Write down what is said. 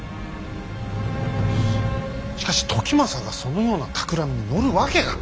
しかし時政がそのようなたくらみに乗るわけが。